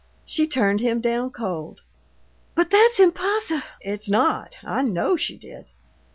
She turned him down cold." "But that's impossi " "It's not. I KNOW she did."